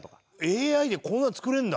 ＡＩでこんなの作れるんだ。